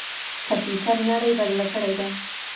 کمپيوټر نړۍ بدله کړې ده.